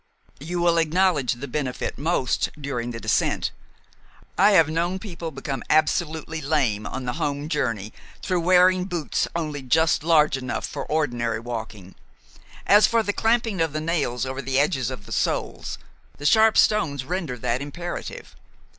"You will acknowledge the benefit most during the descent. I have known people become absolutely lame on the home journey through wearing boots only just large enough for ordinary walking. As for the clamping of the nails over the edges of the soles, the sharp stones render that imperative.